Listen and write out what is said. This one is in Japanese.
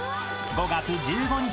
［５月１５日。